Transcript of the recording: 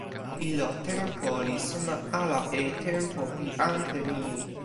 ilo tenpo li sona ala e tenpo pi ante ni.